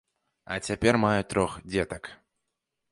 А цяпер мае трох дзетак.